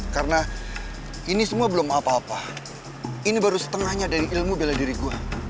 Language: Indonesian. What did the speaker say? karena ini semua belum apa apa ini baru setengahnya dari ilmu bela diri gue